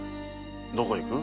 どこへ行く？